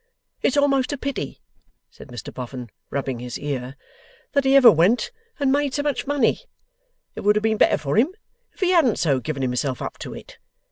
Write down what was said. It's a'most a pity,' said Mr Boffin, rubbing his ear, 'that he ever went and made so much money. It would have been better for him if he hadn't so given himself up to it.